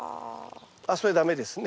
あっそれ駄目ですね。